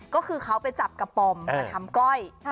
ก็คือเขาไปจับกระป๋อมมาทำก้อย